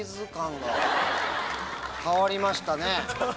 変わりましたね。